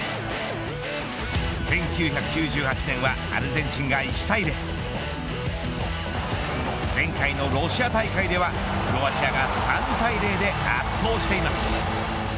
１９９８年はアルゼンチンが１対０．前回のロシア大会ではクロアチアが３対０で圧倒しています。